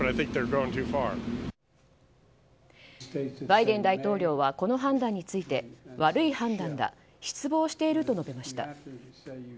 バイデン大統領はこの判断について悪い判断だ失望していると述べました。